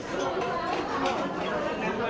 โปรดติดตามต่อไป